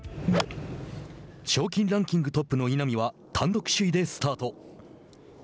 賞金ランキングトップの稲見は単独首位でスタート。